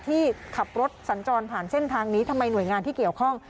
ที่ขับรถสัญจรผ่านเส้นทางนี้ทำไมหน่วยงานที่เกี่ยวข้อง